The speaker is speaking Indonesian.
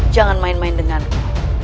jangan main main denganku